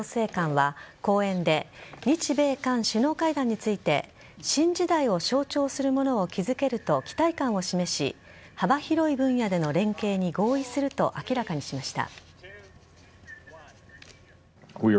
ホワイトハウスのキャンベルインド太平洋調整官は講演で、日米韓首脳会談について新時代を象徴するものを築けると期待感を示し幅広い分野での連携に合意すると明らかにしました。